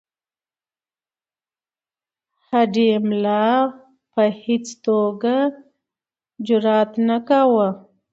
هډې ملا په هیڅ توګه جرأت نه کاوه.